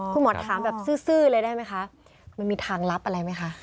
คุณหมอถามแบบซื่อเลยได้ไหมคะมันมีทางลับอะไรไหมคะ